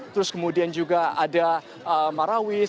terus kemudian juga ada marawis